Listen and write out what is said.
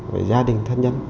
với gia đình thân nhân